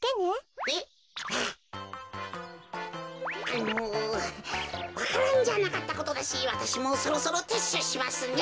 あのわか蘭じゃなかったことだしわたしもそろそろてっしゅうしますね。